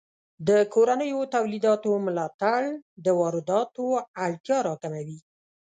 د کورنیو تولیداتو ملاتړ د وارداتو اړتیا راکموي.